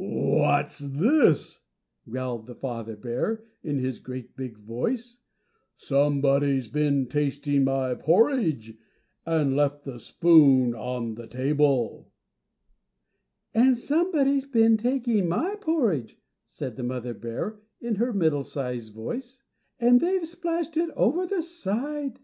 "WHAT'S THIS!" growled the father bear, in his great big voice, "SOMEBODY'S BEEN TASTING MY PORRIDGE, AND LEFT THE SPOON ON THE TABLE." "+And somebody's been taking my porridge+," said the mother bear in her middle sized voice, "+and they've splashed it over the side+."